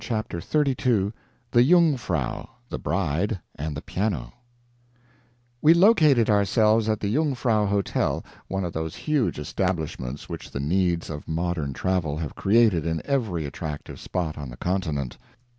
CHAPTER XXXII [The Jungfrau, the Bride, and the Piano] We located ourselves at the Jungfrau Hotel, one of those huge establishments which the needs of modern travel have created in every attractive spot on the continent.